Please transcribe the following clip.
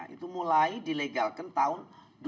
itu mulai dilegalkan tahun dua ribu